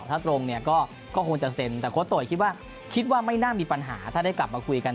ถ้าตรงก็คงจะเซ็นแต่โค้ชโต๋ยคิดว่าไม่น่ามีปัญหาถ้าได้กลับมาคุยกัน